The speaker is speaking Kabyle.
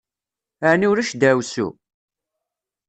Ɛni ulac deɛwessu?